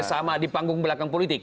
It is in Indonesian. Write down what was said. sama di panggung belakang politik